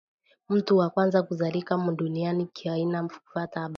Muntu wakwanza kuzalika mu dunia ni kahina kufata abali